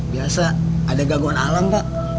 biasa ada gangguan alam kak